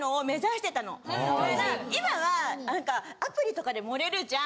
今はアプリとかで盛れるじゃん。